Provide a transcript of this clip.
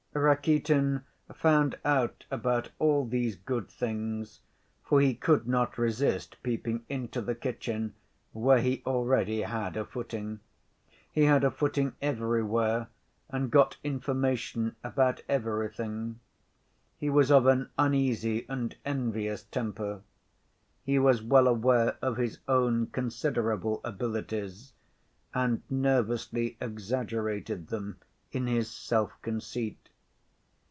Rakitin found out about all these good things, for he could not resist peeping into the kitchen, where he already had a footing. He had a footing everywhere, and got information about everything. He was of an uneasy and envious temper. He was well aware of his own considerable abilities, and nervously exaggerated them in his self‐conceit.